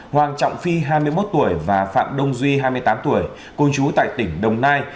hoàng trọng phi hai mươi một tuổi và phạm đông duy hai mươi tám tuổi cùng chú tại tỉnh đồng nai